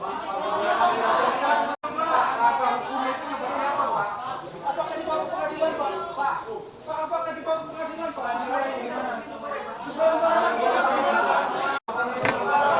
apakah dibawah pengadilan pak pak pak apakah dibawah pengadilan pak